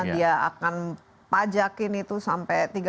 dia akan pajakin itu sampai tiga puluh lima persen